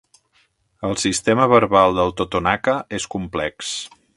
El sistema verbal del totonaca és complex.